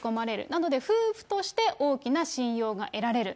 なので夫婦として大きな信用が得られる。